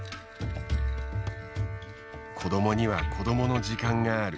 子どもには子どもの時間がある。